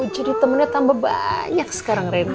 jadi temennya tambah banyak sekarang rena